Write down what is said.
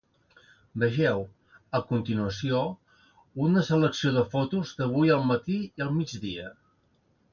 Vegeu, a continuació, una selecció de fotos d’avui al matí i al migdia.